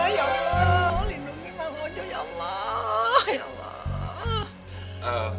ya allah lindungi bang ojo ya allah